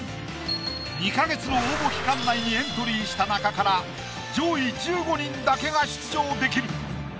２か月の応募期間内にエントリーした中から上位１５人だけが出場できる。